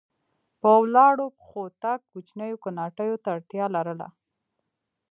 په ولاړو پښو تګ کوچنیو کوناټیو ته اړتیا لرله.